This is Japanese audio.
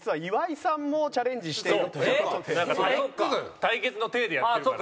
対決の体でやってるから。